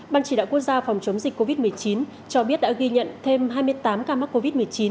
ban chỉ đạo quốc gia phòng chống dịch covid một mươi chín cho biết đã ghi nhận thêm hai mươi tám ca mắc covid một mươi chín